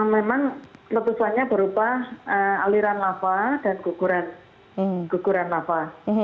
memang letusannya berupa aliran lava dan guguran lava